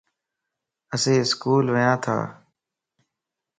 اسين اسڪول ونياتان